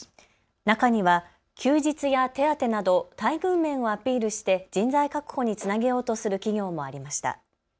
中には休日や手当など待遇面をアピールして人材確保につなげようとする企業もありました。